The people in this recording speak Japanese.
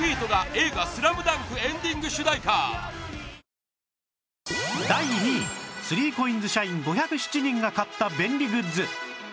ＮＯ．１第２位 ３ＣＯＩＮＳ 社員５０７人が買った便利グッズ